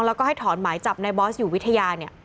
แล้วก็ให้ถอนหมายจับในบอสอยู่วิทยาเนี่ย